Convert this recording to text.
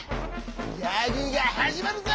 ギャグがはじまるぜ！